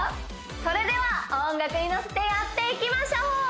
それでは音楽に乗せてやっていきましょう！